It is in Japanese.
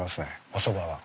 おそばは。